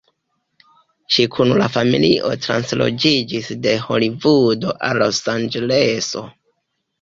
Ŝi kun la familio transloĝiĝis de Holivudo al Losanĝeleso.